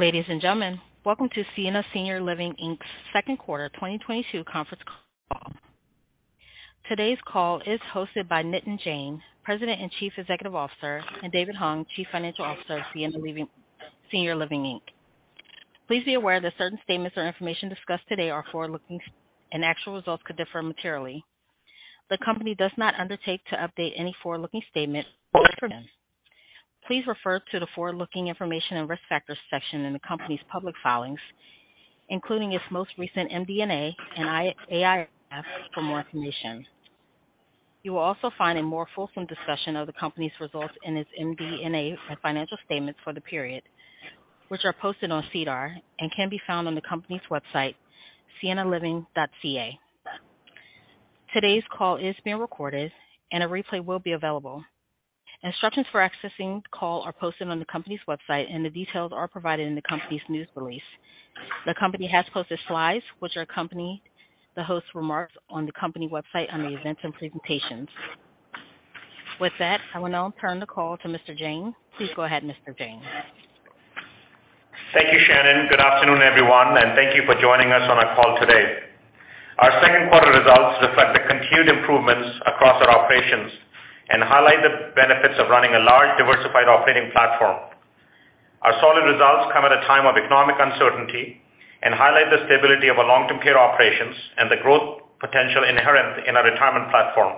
Ladies and gentlemen, welcome to Sienna Senior Living Inc.'s Q2 2022 Conference Call. Today's call is hosted by Nitin Jain, President and Chief Executive Officer, and David Hung, Chief Financial Officer of Sienna Senior Living Inc. Please be aware that certain statements or information discussed today are forward-looking, and actual results could differ materially. The company does not undertake to update any forward-looking statement. Please refer to the forward-looking information and risk factors section in the company's public filings, including its most recent MD&A and AIF for more information. You will also find a more fulsome discussion of the company's results in its MD&A and financial statements for the period, which are posted on SEDAR and can be found on the company's website, siennaliving.ca. Today's call is being recorded and a replay will be available. Instructions for accessing the call are posted on the company's website, and the details are provided in the company's news release. The company has posted slides which accompany the host remarks on the company website under events and presentations. With that, I will now turn the call to Mr. Jain. Please go ahead, Mr. Jain. Thank you, Shannon. Good afternoon, everyone, and thank you for joining us on our call today. Our Q2 results reflect the continued improvements across our operations and highlight the benefits of running a large diversified operating platform. Our solid results come at a time of economic uncertainty and highlight the stability of our long-term care operations and the growth potential inherent in our retirement platform.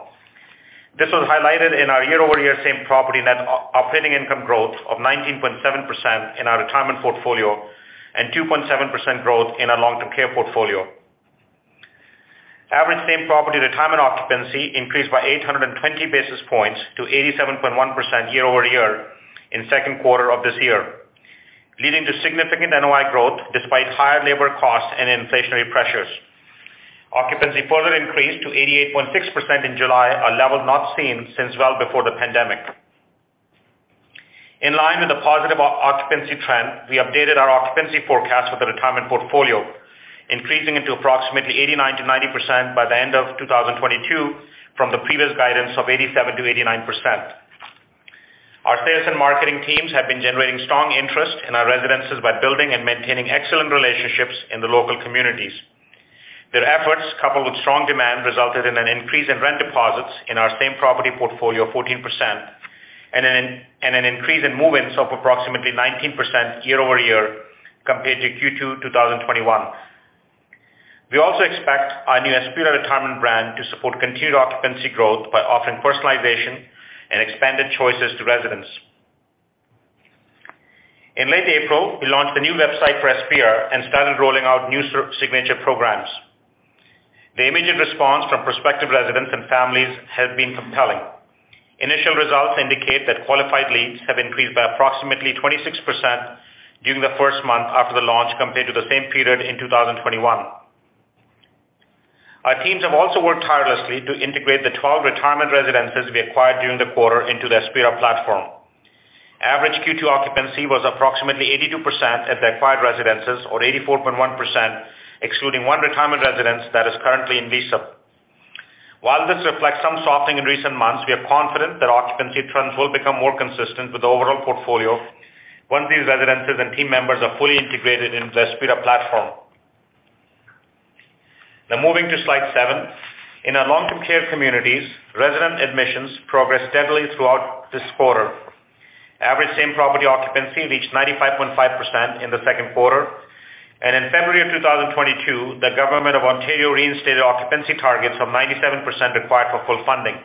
This was highlighted in our year-over-year same property net operating income growth of 19.7% in our retirement portfolio and 2.7% growth in our long-term care portfolio. Average same property retirement occupancy increased by 820 basis points to 87.1% year-over-year in Q2 of this year, leading to significant NOI growth despite higher labor costs and inflationary pressures. Occupancy further increased to 88.6% in July, a level not seen since well before the pandemic. In line with the positive occupancy trend, we updated our occupancy forecast for the retirement portfolio, increasing it to approximately 89%-90% by the end of 2022 from the previous guidance of 87%-89%. Our sales and marketing teams have been generating strong interest in our residences by building and maintaining excellent relationships in the local communities. Their efforts, coupled with strong demand, resulted in an increase in rent deposits in our same property portfolio of 14% and an increase in move-ins of approximately 19% year-over-year compared to Q2 2021. We also expect our new Aspira retirement brand to support continued occupancy growth by offering personalization and expanded choices to residents. In late April, we launched the new website for Aspira and started rolling out new e-signature programs. The immediate response from prospective residents and families has been compelling. Initial results indicate that qualified leads have increased by approximately 26% during the first month after the launch, compared to the same period in 2021. Our teams have also worked tirelessly to integrate the 12 retirement residences we acquired during the quarter into the Aspira platform. Average Q2 occupancy was approximately 82% at the acquired residences, or 84.1%, excluding one retirement residence that is currently in lease-up. While this reflects some softening in recent months, we are confident that occupancy trends will become more consistent with the overall portfolio once these residences and team members are fully integrated into the Aspira platform. Now moving to slide seven. In our long-term care communities, resident admissions progressed steadily throughout this quarter. Average same property occupancy reached 95.5% in the Q2. In February of 2022, the government of Ontario reinstated occupancy targets from 97% required for full funding.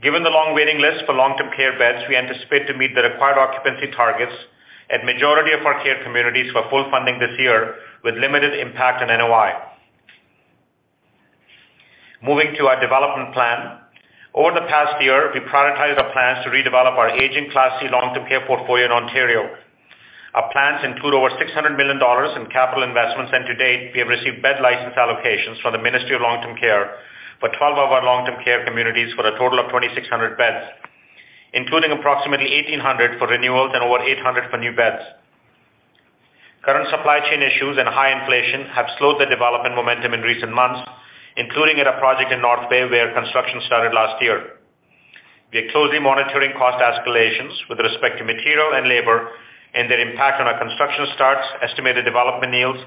Given the long waiting list for long-term care beds, we anticipate to meet the required occupancy targets at majority of our care communities for full funding this year with limited impact on NOI. Moving to our development plan. Over the past year, we prioritized our plans to redevelop our aging Class C long-term care portfolio in Ontario. Our plans include over 600 million dollars in capital investments, and to date, we have received bed license allocations from the Ministry of Long-Term Care for 12 of our long-term care communities for a total of 2,600 beds, including approximately 1,800 for renewals and over 800 for new beds. Current supply chain issues and high inflation have slowed the development momentum in recent months, including at a project in North Bay where construction started last year. We are closely monitoring cost escalations with respect to material and labor and their impact on our construction starts, estimated development yields,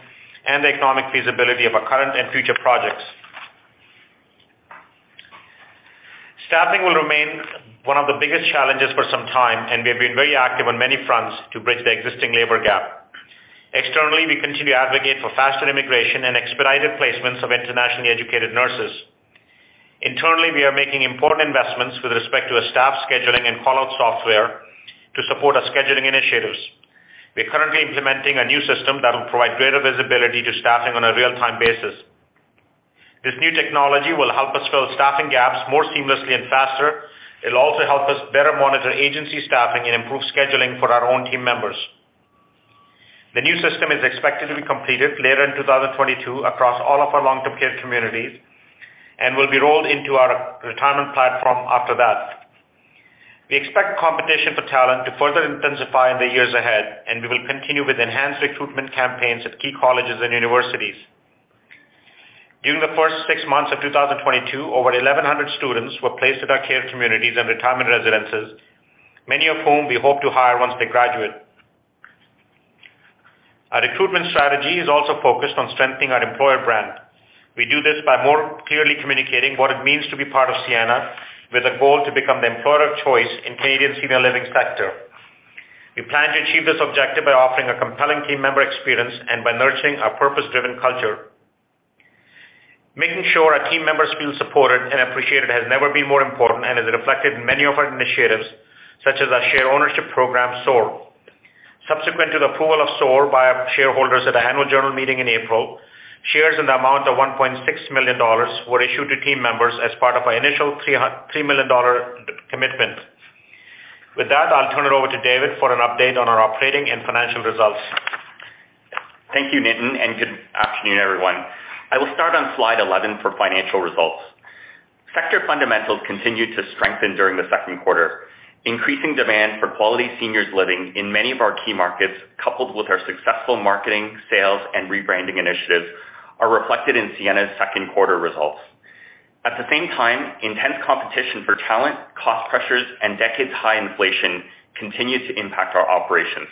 and the economic feasibility of our current and future projects. Staffing will remain one of the biggest challenges for some time, and we have been very active on many fronts to bridge the existing labor gap. Externally, we continue to advocate for faster immigration and expedited placements of internationally educated nurses. Internally, we are making important investments with respect to a staff scheduling and call-out software to support our scheduling initiatives. We are currently implementing a new system that will provide greater visibility to staffing on a real-time basis. This new technology will help us fill staffing gaps more seamlessly and faster. It'll also help us better monitor agency staffing and improve scheduling for our own team members. The new system is expected to be completed later in 2022 across all of our long-term care communities and will be rolled into our retirement platform after that. We expect competition for talent to further intensify in the years ahead, and we will continue with enhanced recruitment campaigns at key colleges and universities. During the first six months of 2022, over 1,100 students were placed at our care communities and retirement residences, many of whom we hope to hire once they graduate. Our recruitment strategy is also focused on strengthening our employer brand. We do this by more clearly communicating what it means to be part of Sienna, with a goal to become the employer of choice in Canadian senior living sector. We plan to achieve this objective by offering a compelling team member experience and by nurturing our purpose-driven culture. Making sure our team members feel supported and appreciated has never been more important and is reflected in many of our initiatives, such as our share ownership program, SOAR. Subsequent to the approval of SOAR by our shareholders at the annual general meeting in April, shares in the amount of 1.6 million dollars were issued to team members as part of our initial 303 million dollar commitment. With that, I'll turn it over to David for an update on our operating and financial results. Thank you, Nitin, and good afternoon, everyone. I will start on slide 11 for financial results. Sector fundamentals continued to strengthen during the Q2. Increasing demand for quality seniors living in many of our key markets, coupled with our successful marketing, sales, and rebranding initiatives, are reflected in Sienna's Q2 results. At the same time, intense competition for talent, cost pressures, and decades-high inflation continued to impact our operations.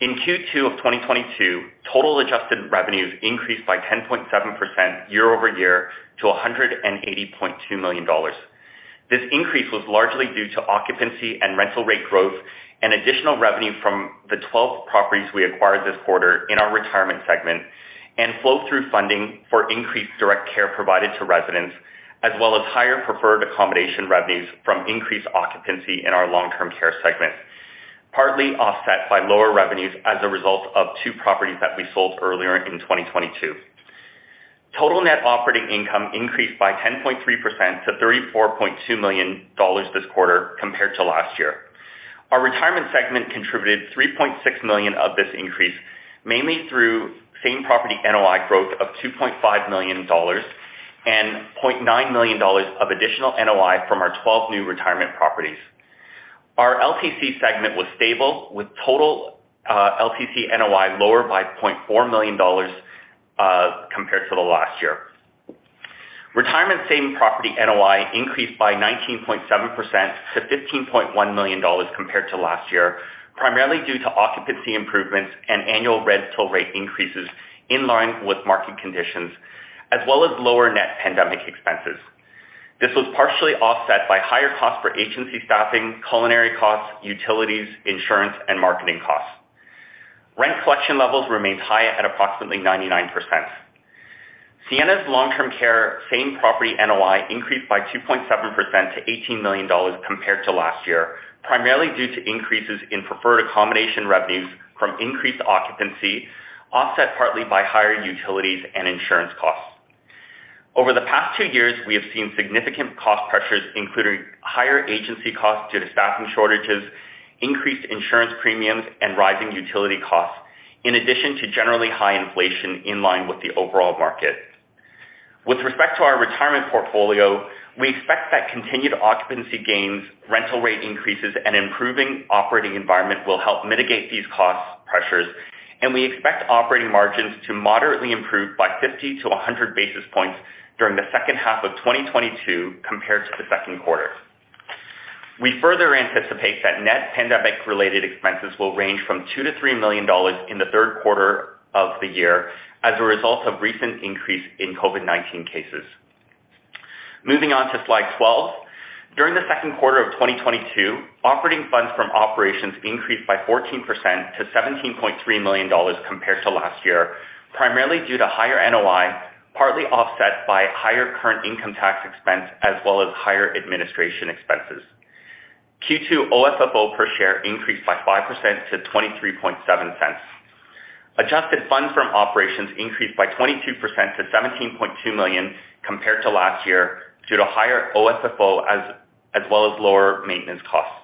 In Q2 of 2022, total adjusted revenues increased by 10.7% year-over-year to 180.2 million dollars. This increase was largely due to occupancy and rental rate growth and additional revenue from the 12 properties we acquired this quarter in our retirement segment and flow through funding for increased direct care provided to residents, as well as higher preferred accommodation revenues from increased occupancy in our long-term care segment, partly offset by lower revenues as a result of two properties that we sold earlier in 2022. Total net operating income increased by 10.3% to 34.2 million dollars this quarter compared to last year. Our retirement segment contributed 3.6 million of this increase, mainly through same property NOI growth of 2.5 million dollars and 0.9 million dollars of additional NOI from our 12 new retirement properties. Our LTC segment was stable with total, LTC NOI lower by 0.4 million dollars compared to the last year. Retirement same property NOI increased by 19.7% to 15.1 million dollars compared to last year, primarily due to occupancy improvements and annual rental rate increases in line with market conditions, as well as lower net pandemic expenses. This was partially offset by higher costs for agency staffing, culinary costs, utilities, insurance, and marketing costs. Rent collection levels remained high at approximately 99%. Sienna's long-term care same property NOI increased by 2.7% to 18 million dollars compared to last year, primarily due to increases in preferred accommodation revenues from increased occupancy, offset partly by higher utilities and insurance costs. Over the past two years, we have seen significant cost pressures, including higher agency costs due to staffing shortages, increased insurance premiums, and rising utility costs, in addition to generally high inflation in line with the overall market. With respect to our retirement portfolio, we expect that continued occupancy gains, rental rate increases, and improving operating environment will help mitigate these cost pressures, and we expect operating margins to moderately improve by 50-100 basis points during the second half of 2022 compared to the Q2. We further anticipate that net pandemic related expenses will range from 2 million-3 million dollars in the third quarter of the year as a result of recent increase in COVID-19 cases. Moving on to slide 12. During the Q2 of 2022, operating funds from operations increased by 14% to 17.3 million dollars compared to last year, primarily due to higher NOI, partly offset by higher current income tax expense as well as higher administration expenses. Q2 OSFO per share increased by 5% to 0.237. Adjusted funds from operations increased by 22% to 17.2 million compared to last year due to higher OSFO as well as lower maintenance costs.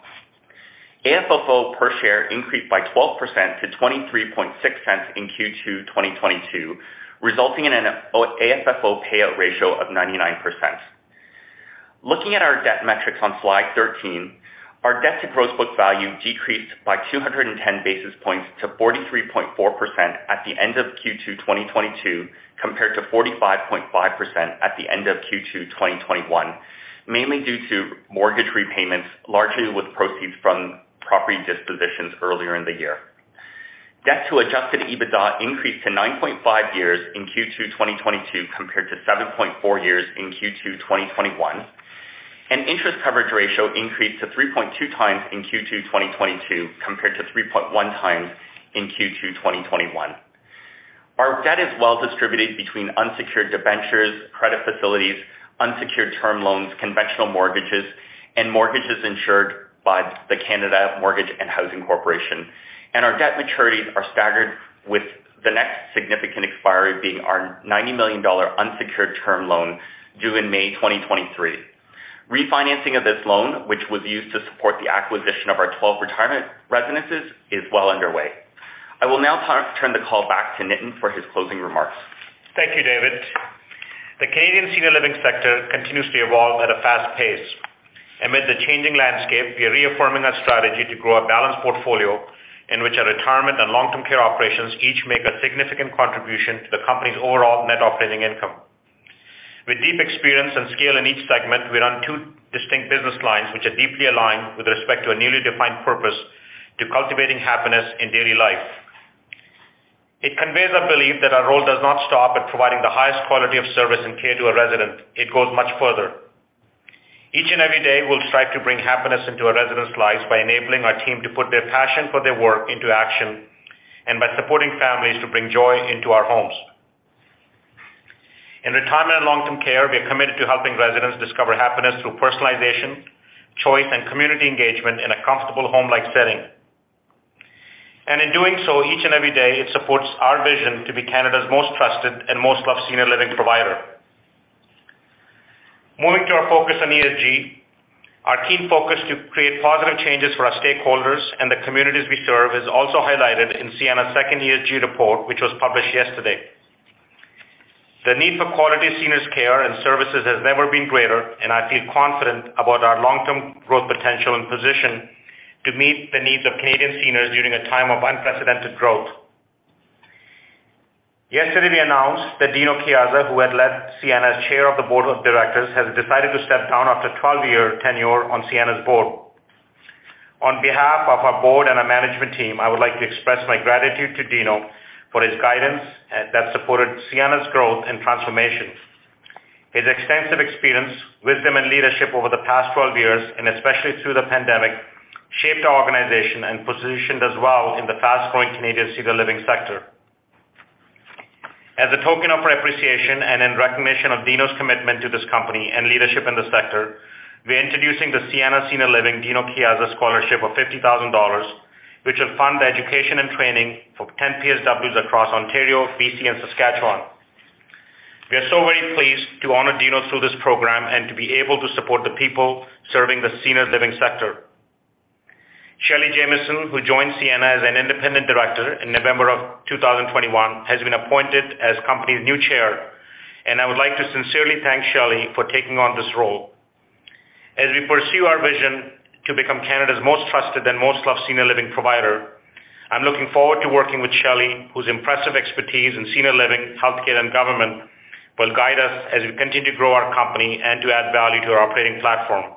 AFFO per share increased by 12% to 0.236 in Q2 2022, resulting in an AFFO payout ratio of 99%. Looking at our debt metrics on slide 13, our debt to gross book value decreased by 210 basis points to 43.4% at the end of Q2 2022, compared to 45.5% at the end of Q2 2021, mainly due to mortgage repayments, largely with proceeds from property dispositions earlier in the year. Debt to adjusted EBITDA increased to 9.5 years in Q2 2022 compared to 7.4 years in Q2 2021, and interest coverage ratio increased to 3.2x in Q2 2022 compared to 3.1x in Q2 2021. Our debt is well distributed between unsecured debentures, credit facilities, unsecured term loans, conventional mortgages, and mortgages insured by the Canada Mortgage and Housing Corporation. Our debt maturities are staggered with the next significant expiry being our 90 million dollar unsecured term loan due in May 2023. Refinancing of this loan, which was used to support the acquisition of our 12 retirement residences, is well underway. I will now turn the call back to Nitin for his closing remarks. Thank you, David. The Canadian senior living sector continues to evolve at a fast pace. Amid the changing landscape, we are reaffirming our strategy to grow a balanced portfolio in which our retirement and long-term care operations each make a significant contribution to the company's overall net operating income. With deep experience and scale in each segment, we run two distinct business lines, which are deeply aligned with respect to a newly defined purpose to cultivating happiness in daily life. It conveys a belief that our role does not stop at providing the highest quality of service and care to a resident. It goes much further. Each and every day, we'll strive to bring happiness into our residents' lives by enabling our team to put their passion for their work into action and by supporting families to bring joy into our homes. In retirement and long-term care, we are committed to helping residents discover happiness through personalization, choice, and community engagement in a comfortable home-like setting. In doing so, each and every day, it supports our vision to be Canada's most trusted and most loved senior living provider. Moving to our focus on ESG, our keen focus to create positive changes for our stakeholders and the communities we serve is also highlighted in Sienna's second ESG report, which was published yesterday. The need for quality seniors care and services has never been greater, and I feel confident about our long-term growth potential and position to meet the needs of Canadian seniors during a time of unprecedented growth. Yesterday, we announced that Dino Chiesa, who had led Sienna's Chair of the Board of Directors, has decided to step down after 12-year tenure on Sienna's board. On behalf of our board and our management team, I would like to express my gratitude to Dino for his guidance that supported Sienna's growth and transformation. His extensive experience, wisdom, and leadership over the past 12 years, and especially through the pandemic, shaped our organization and positioned us well in the fast-growing Canadian senior living sector. As a token of appreciation and in recognition of Dino's commitment to this company and leadership in the sector, we're introducing the Sienna Senior Living Dino Chiesa Scholarship of 50,000 dollars, which will fund education and training for 10 PSWs across Ontario, BC, and Saskatchewan. We are so very pleased to honor Dino through this program and to be able to support the people serving the senior living sector. Shelley Jamieson, who joined Sienna as an independent director in November 2021, has been appointed as company's new Chair, and I would like to sincerely thank Shelley for taking on this role. As we pursue our vision to become Canada's most trusted and most loved senior living provider, I'm looking forward to working with Shelley, whose impressive expertise in senior living, healthcare, and government will guide us as we continue to grow our company and to add value to our operating platform.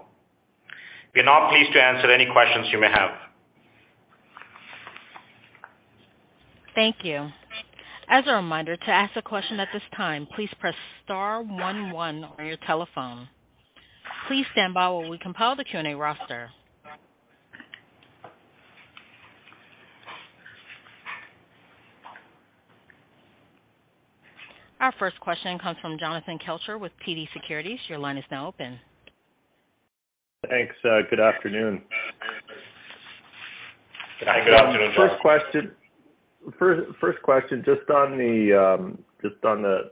We are now pleased to answer any questions you may have. Thank you. As a reminder, to ask a question at this time, please press star one one on your telephone. Please stand by while we compile the Q&A roster. Our first question comes from Jonathan Kelcher with TD Securities. Your line is now open. Thanks. Good afternoon. Hi. Good afternoon, Jon. First question, just on the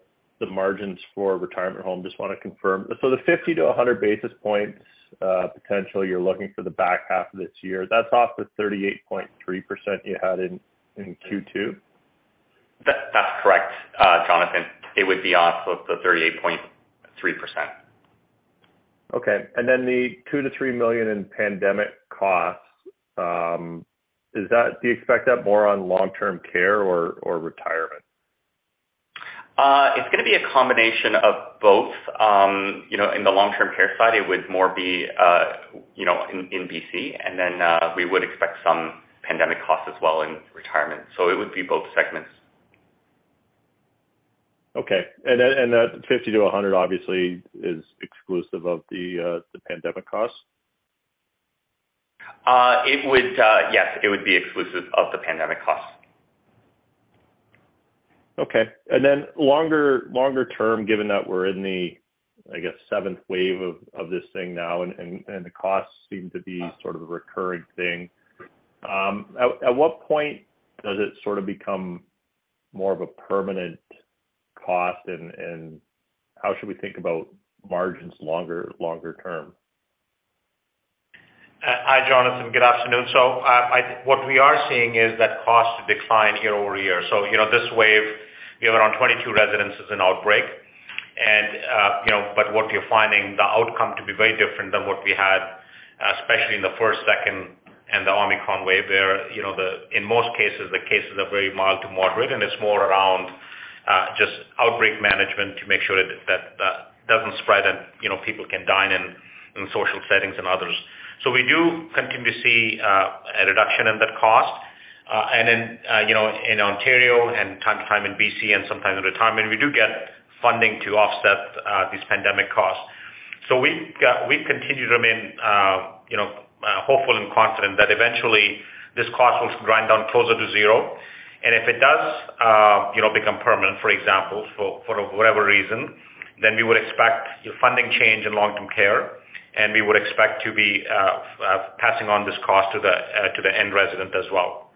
margins for retirement home. Just want to confirm. So the 50-100 basis points potential you're looking for the back half of this year, that's off the 38.3% you had in Q2? That's correct, Jonathan. It would be off of the 38.3%. Okay. The 2 million-3 million in pandemic costs, do you expect that more on long-term care or retirement? It's going to be a combination of both. You know, in the long-term care side, it would more be, you know, in BC, and then we would expect some pandemic costs as well in retirement, so it would be both segments. That 50-100 obviously is exclusive of the pandemic costs? It would, yes, it would be exclusive of the pandemic costs. Okay. Longer term, given that we're in the, I guess, seventh wave of this thing now and the costs seem to be sort of a recurring thing, at what point does it sort of become more of a permanent cost, and how should we think about margins longer term? Hi, Jonathan. Good afternoon. What we are seeing is that costs decline year-over-year. You know, this wave, we have around 22 residences in outbreak. But what we're finding the outcome to be very different than what we had, especially in the first, second, and the Omicron wave where, you know, the, in most cases, the cases are very mild to moderate, and it's more around just outbreak management to make sure that that doesn't spread and, you know, people can dine in social settings and others. We do continue to see a reduction in that cost. And in, you know, in Ontario and from time to time in BC and sometimes in retirement, we do get funding to offset these pandemic costs. We've continued to remain, you know, hopeful and confident that eventually this cost will grind down closer to zero. If it does, you know, become permanent, for example, for whatever reason, then we would expect a funding change in long-term care, and we would expect to be passing on this cost to the end resident as well.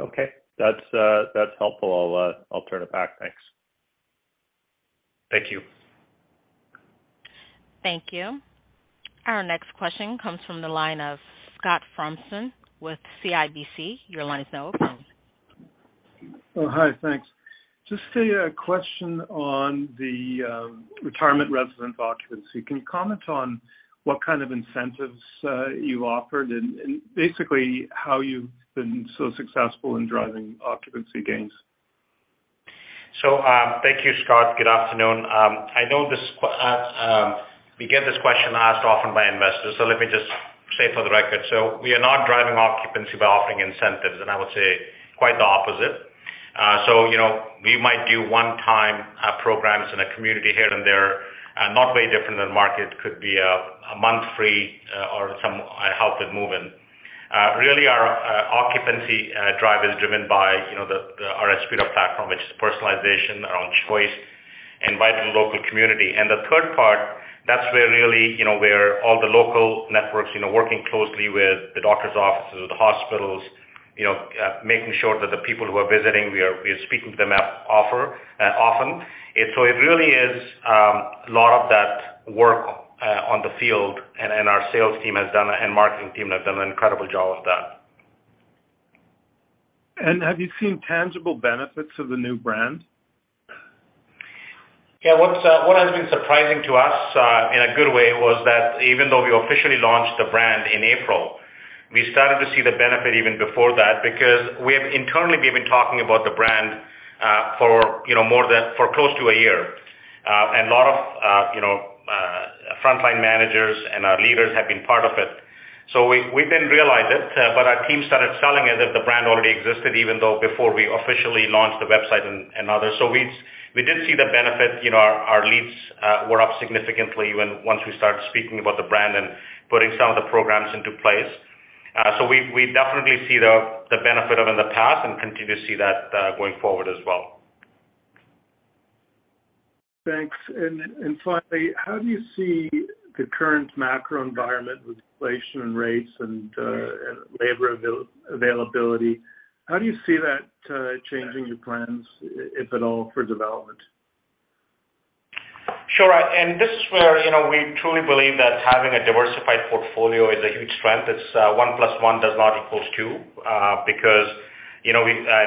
Okay. That's helpful. I'll turn it back. Thanks. Thank you. Thank you. Our next question comes from the line of Scott Fromson with CIBC. Your line is now open. Oh, hi, thanks. Just a question on the retirement resident occupancy. Can you comment on what kind of incentives you offered and basically how you've been so successful in driving occupancy gains? Thank you, Scott. Good afternoon. I know we get this question asked often by investors, so let me just say for the record. We are not driving occupancy by offering incentives, and I would say quite the opposite. You know, we might do one-time programs in a community here and there, and not very different than market could be a month free or some help with move-in. Really our occupancy drive is driven by, you know, the Aspira platform, which is personalization around choice, invite from local community. The third part, that's where really, you know, where all the local networks, you know, working closely with the doctor's offices, the hospitals, you know, making sure that the people who are visiting, we are speaking to them to offer often. It really is a lot of that work in the field and our sales team has done and marketing team have done an incredible job of that. Have you seen tangible benefits of the new brand? Yeah. What has been surprising to us in a good way was that even though we officially launched the brand in April, we started to see the benefit even before that because we have internally been talking about the brand for you know more than close to a year. A lot of you know frontline managers and our leaders have been part of it. We didn't realize it but our team started selling it as if the brand already existed even though before we officially launched the website and others. We did see the benefit. You know our leads were up significantly when, once, we started speaking about the brand and putting some of the programs into place. We definitely see the benefit of in the past and continue to see that going forward as well. Thanks. Finally, how do you see the current macro environment with inflation and rates and labor availability, how do you see that changing your plans, if at all, for development? Sure. This is where, you know, we truly believe that having a diversified portfolio is a huge strength. It's one plus one does not equals two, because, you know,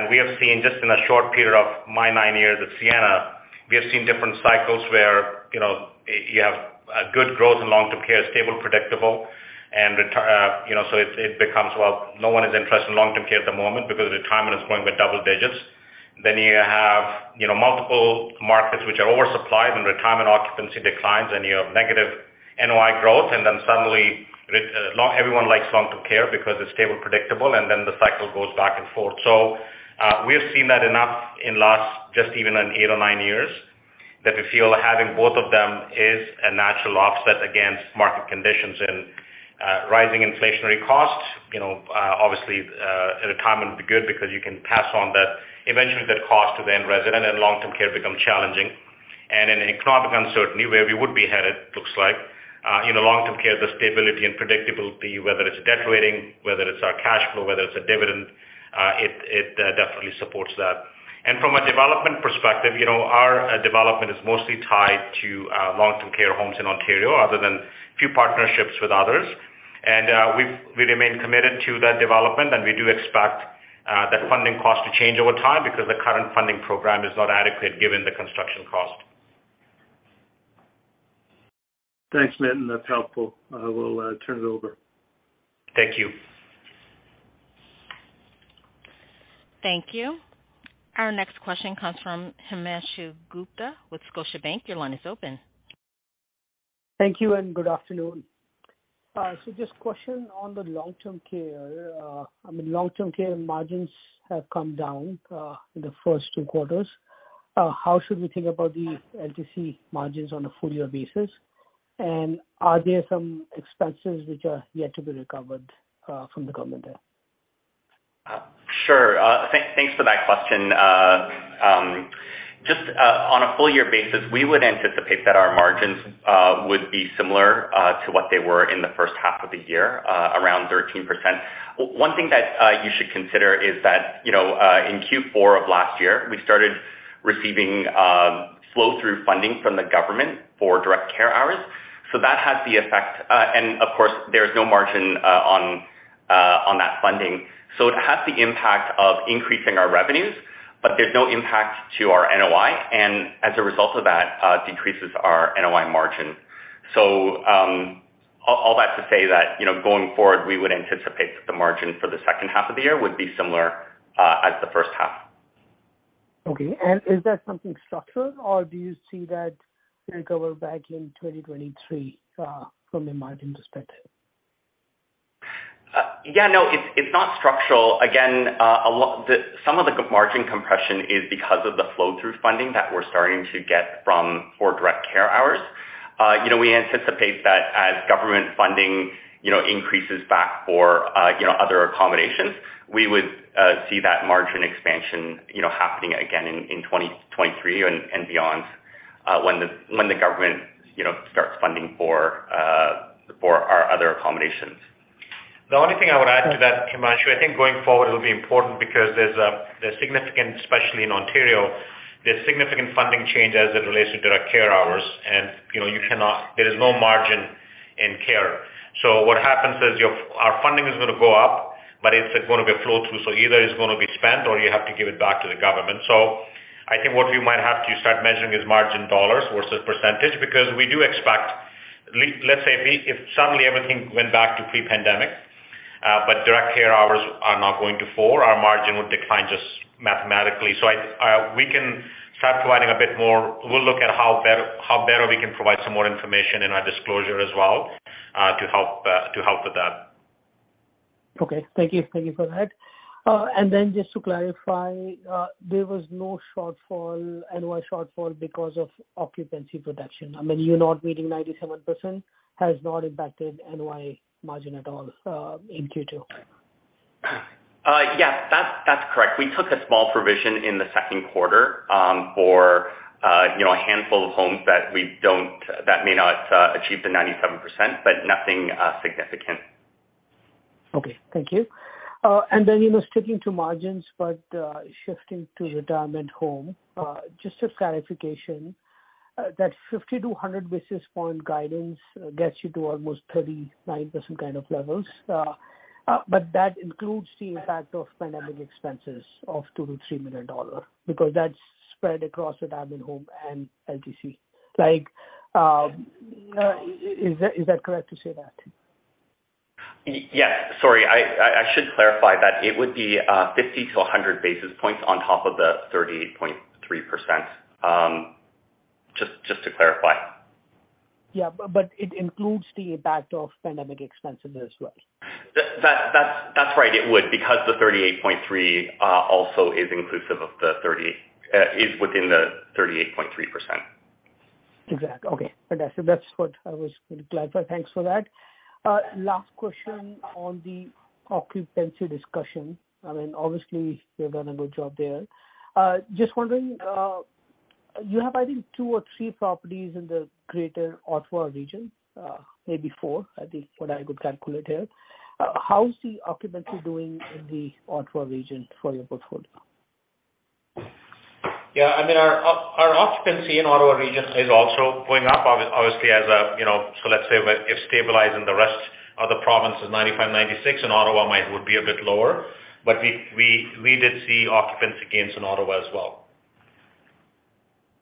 we have seen just in a short period of my nine years at Sienna, we have seen different cycles where, you know, you have a good growth in long-term care, stable, predictable, and retirement, you know, so it becomes, well, no one is interested in long-term care at the moment because retirement is growing with double digits. You have, you know, multiple markets which are oversupplied and retirement occupancy declines, and you have negative NOI growth. Suddenly everyone likes long-term care because it's stable, predictable, and then the cycle goes back and forth. We've seen that enough in the last just even in eight or nine years, that we feel having both of them is a natural offset against market conditions and rising inflationary costs. You know, obviously, at a time it would be good because you can pass on that, eventually that cost to the residents and long-term care become challenging. In an economic uncertainty where we would be headed, it looks like in the long-term care, the stability and predictability, whether it's debt rating, whether it's our cash flow, whether it's a dividend, it definitely supports that. From a development perspective, you know, our development is mostly tied to long-term care homes in Ontario other than a few partnerships with others. We remain committed to that development, and we do expect the funding cost to change over time because the current funding program is not adequate given the construction cost. Thanks, Nitin. That's helpful. I will turn it over. Thank you. Thank you. Our next question comes from Himanshu Gupta with Scotiabank. Your line is open. Thank you and good afternoon. Just question on the long-term care. I mean, long-term care margins have come down in the first two quarters. How should we think about the LTC margins on a full year basis? Are there some expenses which are yet to be recovered from the government there? Sure. Thanks for that question. Just on a full year basis, we would anticipate that our margins would be similar to what they were in the first half of the year, around 13%. One thing that you should consider is that, you know, in Q4 of last year, we started receiving flow-through funding from the government for direct care hours. That has the effect. Of course, there's no margin on that funding. It has the impact of increasing our revenues, but there's no impact to our NOI, and as a result of that, decreases our NOI margin. All that to say that, you know, going forward, we would anticipate that the margin for the second half of the year would be similar as the first half. Okay. Is that something structural or do you see that recover back in 2023, from a margin perspective? Yeah, no, it's not structural. Again, some of the margin compression is because of the flow-through funding that we're starting to get for direct care hours. You know, we anticipate that as government funding increases back for other accommodations, we would see that margin expansion happening again in 2023 and beyond, when the government starts funding for our other accommodations. The only thing I would add to that, Himanshu, I think going forward it'll be important because there's significant, especially in Ontario, there's significant funding change as it relates to direct care hours. You know, you cannot, there is no margin in care. So what happens is our funding is going to go up, but it's going to be a flow-through. Either it's going to be spent or you have to give it back to the government. I think what we might have to start measuring is margin dollars versus percentage, because we do expect at least, let's say if suddenly everything went back to pre-pandemic, but direct care hours are not going to four, our margin would decline just mathematically. We can start providing a bit more. We'll look at how better we can provide some more information in our disclosure as well, to help with that. Okay. Thank you. Thank you for that. Just to clarify, there was no NOI shortfall because of occupancy reduction. I mean, you not meeting 97% has not impacted NOI margin at all in Q2. Yeah, that's correct. We took a small provision in the Q2 for, you know, a handful of homes that may not achieve the 97%, but nothing significant. Okay. Thank you. You know, sticking to margins, but shifting to retirement home, just a clarification, that 50 to 100 basis point guidance gets you to almost 39% kind of levels. That includes the impact of pandemic expenses of 2 million-3 million dollars because that's spread across retirement home and LTC. Like, is that correct to say that? Yes. Sorry, I should clarify that it would be 50-100 basis points on top of the 38.3%. Just to clarify. It includes the impact of pandemic expenses as well. That's right. It would, because the 38.3 also is inclusive of the 30, is within the 38.3%. Exactly. Okay. Fantastic. That's what I was going to clarify. Thanks for that. Last question on the occupancy discussion. I mean, obviously you've done a good job there. Just wondering, you have, I think, two or three properties in the greater Ottawa region, maybe four, I think, what I could calculate here. How is the occupancy doing in the Ottawa region for your portfolio? Yeah, I mean, our occupancy in Ottawa region is also going up obviously as, you know. Let's say if stabilizing the rest of the province is 95%, 96%, and Ottawa might would be a bit lower. We did see occupancy gains in Ottawa as well.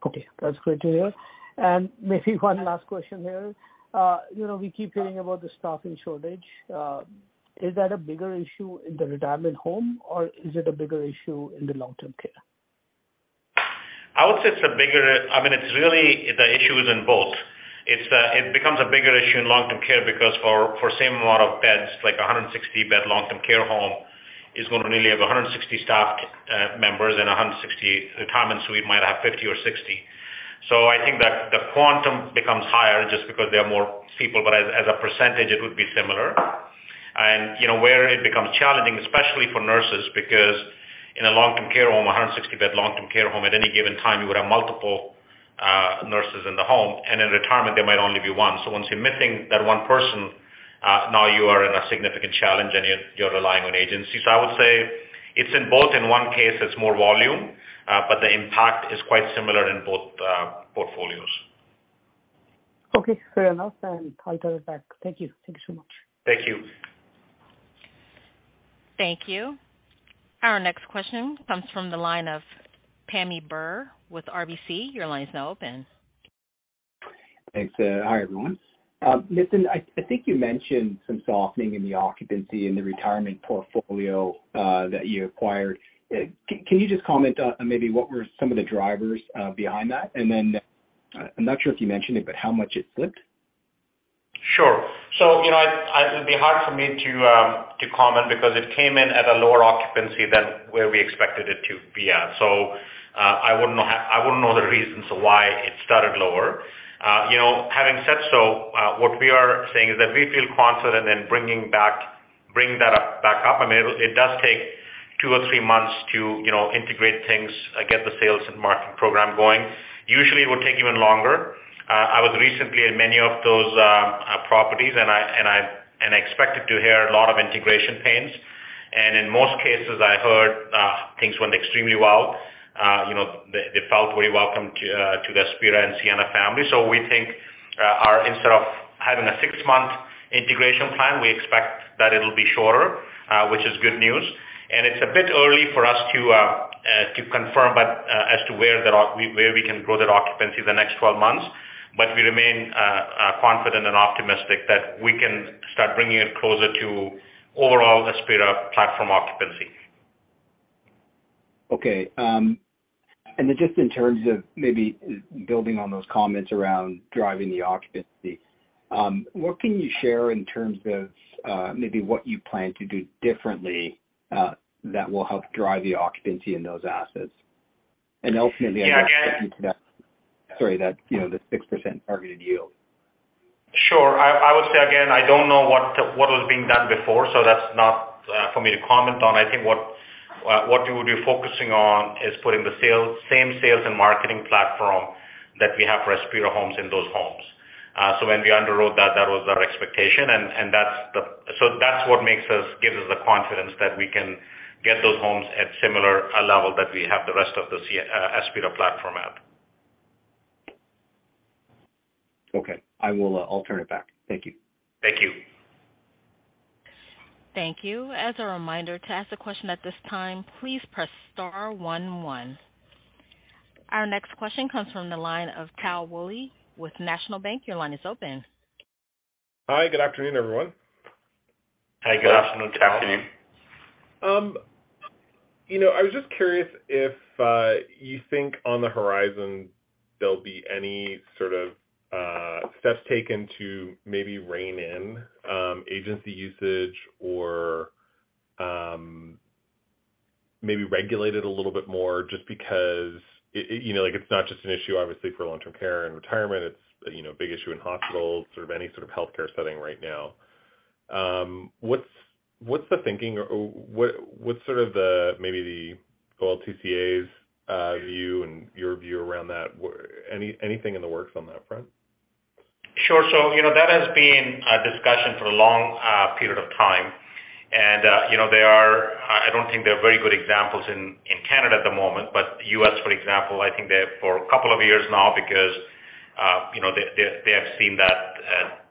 Okay, that's great to hear. Maybe one last question here. You know, we keep hearing about the staffing shortage. Is that a bigger issue in the retirement home, or is it a bigger issue in the long-term care? I would say it's a bigger issue. I mean, it's really the issue is in both. It becomes a bigger issue in long-term care because for same amount of beds, like a 160-bed long-term care home is going to really have 160 staff members and 160. Retirement suite might have 50 or 60. So I think that the quantum becomes higher just because there are more people, but as a percentage, it would be similar. You know, where it becomes challenging, especially for nurses, because in a long-term care home, a 160-bed long-term care home, at any given time, you would have multiple nurses in the home, and in retirement there might only be one. Once you're missing that one person, now you are in a significant challenge and you're relying on agencies. I would say it's in both. In one case, it's more volume, but the impact is quite similar in both portfolios. Okay, fair enough. I'll turn it back. Thank you. Thank you so much. Thank you. Thank you. Our next question comes from the line of Pammi Bir with RBC. Your line is now open. Thanks. Hi, everyone. Nitin, I think you mentioned some softening in the occupancy in the retirement portfolio that you acquired. Can you just comment on maybe what were some of the drivers behind that? I'm not sure if you mentioned it, but how much it slipped? Sure. You know, it'd be hard for me to comment because it came in at a lower occupancy than where we expected it to be at. I wouldn't know the reasons why it started lower. You know, having said so, what we are saying is that we feel confident in bringing that back up. I mean, it does take two or three months to, you know, integrate things, get the sales and marketing program going. Usually, it would take even longer. I was recently in many of those properties, and I expected to hear a lot of integration pains. In most cases, I heard things went extremely well. You know, they felt very welcome to the Aspira and Sienna family. We think instead of having a six-month integration plan, we expect that it'll be shorter, which is good news. It's a bit early for us to confirm, but as to where we can grow that occupancy the next 12 months. We remain confident and optimistic that we can start bringing it closer to overall Aspira platform occupancy. Okay. Just in terms of maybe building on those comments around driving the occupancy, what can you share in terms of maybe what you plan to do differently that will help drive the occupancy in those assets? Yeah, again. Sorry, you know, the 6% targeted yield. Sure. I would say again, I don't know what was being done before, so that's not for me to comment on. I think what we would be focusing on is putting the same sales and marketing platform that we have for Aspira homes in those homes. When we underwrote that was our expectation, and that's what gives us the confidence that we can get those homes at similar level that we have the rest of the Aspira platform at. Okay. I'll turn it back. Thank you. Thank you. Thank you. As a reminder, to ask a question at this time, please press star one one. Our next question comes from the line of Tal Wooley with National Bank Financial. Your line is open. Hi. Good afternoon, everyone. Hi. Good afternoon, Tal. Good afternoon. You know, I was just curious if you think on the horizon there'll be any sort of steps taken to maybe rein in agency usage or maybe regulate it a little bit more just because I you know, like it's not just an issue obviously for long-term care and retirement. It's, you know, a big issue in hospitals, sort of any sort of healthcare setting right now. What's the thinking or what's sort of the, maybe the whole OLTCA view and your view around that? Anything in the works on that front? Sure. You know, that has been a discussion for a long period of time. You know, I don't think there are very good examples in Canada at the moment, but U.S., for example, I think they have for a couple of years now because you know, they have seen that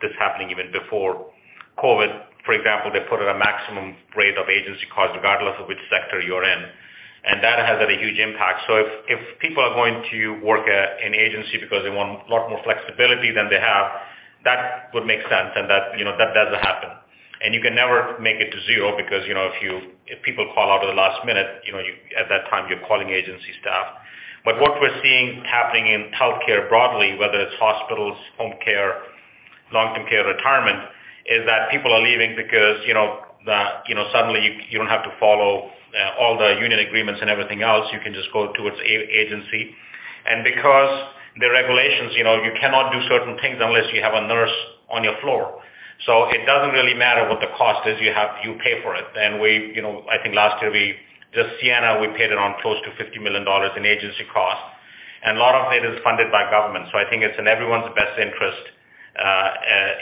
this happening even before COVID. For example, they put in a maximum rate of agency cost regardless of which sector you're in. That has had a huge impact. If people are going to work at an agency because they want a lot more flexibility than they have, that would make sense and that doesn't happen. You can never make it to zero because, you know, if people call out at the last minute, you know, at that time, you're calling agency staff. What we're seeing happening in healthcare broadly, whether it's hospitals, home care, long-term care, retirement, is that people are leaving because, you know, you know, suddenly you don't have to follow all the union agreements and everything else. You can just go towards agency. Because the regulations, you know, you cannot do certain things unless you have a nurse on your floor. It doesn't really matter what the cost is. You pay for it. We, you know, I think last year, Just Sienna, we paid around close to 50 million dollars in agency costs, and a lot of it is funded by government. I think it's in everyone's best interest,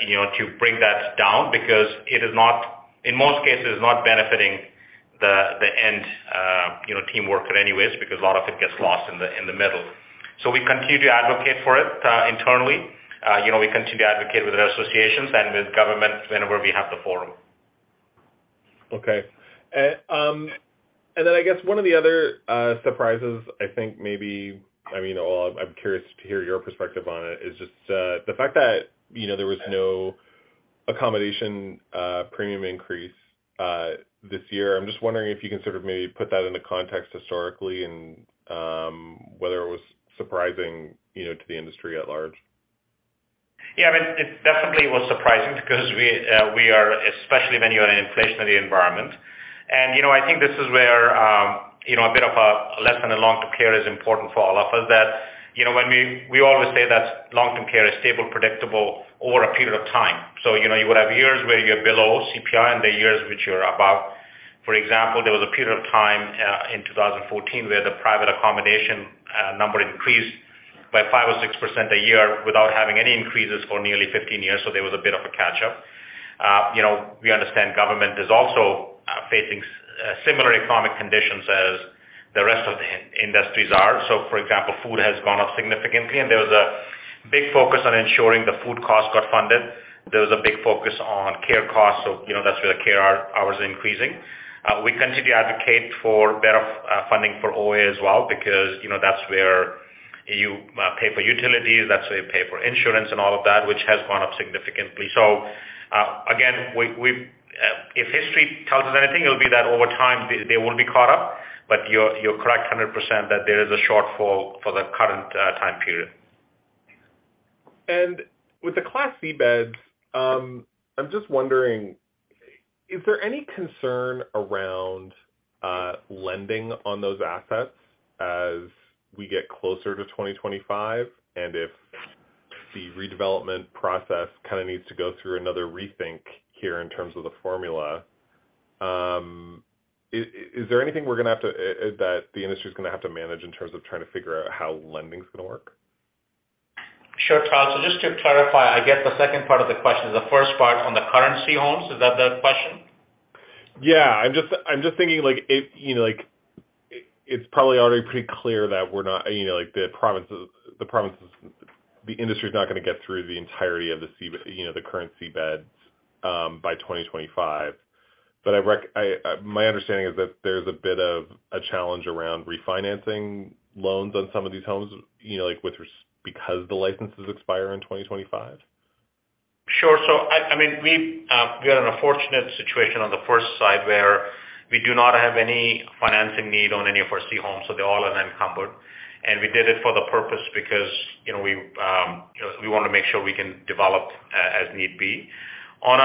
you know, to bring that down because it is not. In most cases, it's not benefiting the end, you know, team worker anyways, because a lot of it gets lost in the middle. We continue to advocate for it, internally. You know, we continue to advocate with associations and with government whenever we have the forum. Okay. I guess one of the other surprises, I think maybe, I mean, well, I'm curious to hear your perspective on it, is just the fact that, you know, there was no accommodation premium increase this year. I'm just wondering if you can sort of maybe put that into context historically and whether it was surprising, you know, to the industry at large. Yeah. I mean, it definitely was surprising because we are, especially when you are in an inflationary environment. You know, I think this is where, you know, a bit of a lesson in long-term care is important for all of us that, you know, when we always say that long-term care is stable, predictable over a period of time. You know, you would have years where you're below CPI and the years which you're above. For example, there was a period of time in 2014 where the private accommodation number increased by 5% or 6% a year without having any increases for nearly 15 years. There was a bit of a catch-up. You know, we understand government is also facing similar economic conditions as the rest of the industries are. For example, food has gone up significantly, and there was a big focus on ensuring the food costs got funded. There was a big focus on care costs. You know, that's where the care hours are increasing. We continue to advocate for better funding for OA as well because, you know, that's where you pay for utilities, that's where you pay for insurance and all of that, which has gone up significantly. Again, if history tells us anything, it'll be that over time they will be caught up, but you're correct 100% that there is a shortfall for the current time period. With the Class C beds, I'm just wondering, is there any concern around lending on those assets as we get closer to 2025? If the redevelopment process kinda needs to go through another rethink here in terms of the formula, is there anything that the industry is going to have to manage in terms of trying to figure out how lending is going to work? Sure, Tal. Just to clarify, I get the second part of the question. The first part on the Class C homes, is that the question? Yeah. I'm just thinking like if, you know, like it's probably already pretty clear that we're not, you know, like the provinces. The industry is not going to get through the entirety of the Class C, you know, the current Class C beds by 2025. My understanding is that there's a bit of a challenge around refinancing loans on some of these homes, you know, like, because the licenses expire in 2025. Sure. I mean, we are in a fortunate situation on the financing side where we do not have any financing need on any of our C homes, so they all are unencumbered. We did it for the purpose because, you know, we want to make sure we can develop, as need be. You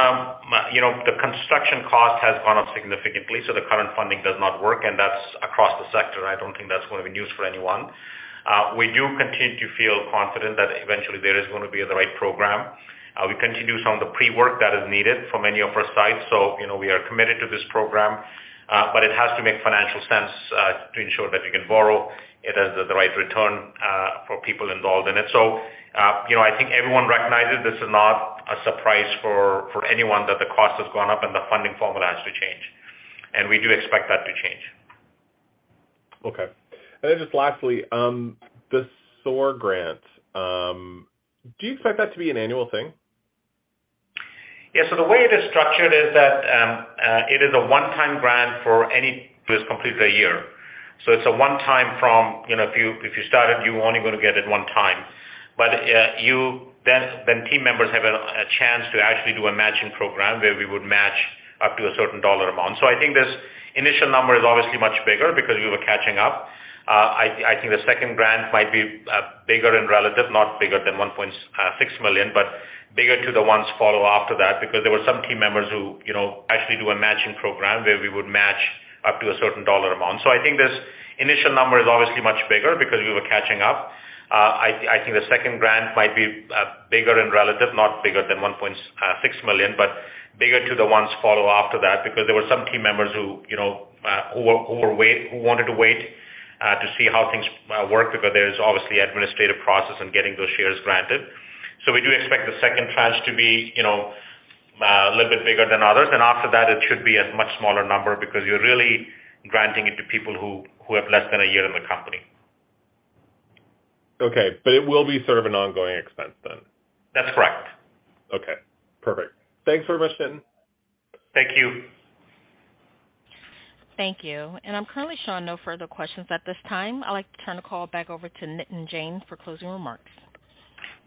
know, the construction cost has gone up significantly, so the current funding does not work, and that's across the sector. I don't think that's going to be news for anyone. We do continue to feel confident that eventually there is going to be the right program. We continue some of the pre-work that is needed for many of our sites. You know, we are committed to this program, but it has to make financial sense, to ensure that we can borrow. It has the right return for people involved in it. You know, I think everyone recognizes this is not a surprise for anyone that the cost has gone up and the funding formula has to change. We do expect that to change. Okay. Just lastly, the SOAR grant, do you expect that to be an annual thing? Yeah. The way it is structured is that, it is a one-time grant for anyone who has completed a year. It's a one time from, you know, if you, if you started, you only going to get it one time. But, you then team members have a chance to actually do a matching program where we would match up to a certain dollar amount. I think this initial number is obviously much bigger because we were catching up. I think the second grant might be bigger in relative, not bigger than 1.6 million, but bigger to the ones follow after that because there were some team members who, you know, actually do a matching program where we would match up to a certain dollar amount. I think this initial number is obviously much bigger because we were catching up. I think the second grant might be bigger in relative, not bigger than 1.6 million, but bigger than the ones that follow after that because there were some team members who, you know, who wanted to wait to see how things work because there is obviously administrative process in getting those shares granted. We do expect the second tranche to be, you know, a little bit bigger than others. After that it should be a much smaller number because you're really granting it to people who have less than a year in the company. Okay. It will be sort of an ongoing expense then? That's correct. Okay, perfect. Thanks very much, Nitin. Thank you. Thank you. I'm currently showing no further questions at this time. I'd like to turn the call back over to Nitin Jain for closing remarks.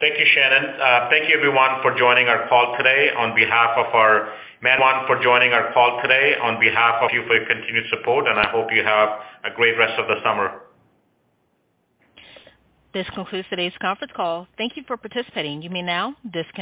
Thank you, Shannon. Thank you everyone for joining our call today. On behalf of you for your continued support, and I hope you have a great rest of the summer. This concludes today's conference call. Thank you for participating. You may now disconnect.